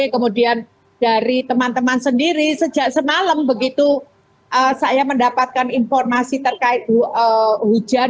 kemudian dari teman teman sendiri sejak semalam begitu saya mendapatkan informasi terkait hujan